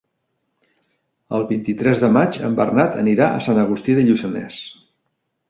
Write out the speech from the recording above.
El vint-i-tres de maig en Bernat anirà a Sant Agustí de Lluçanès.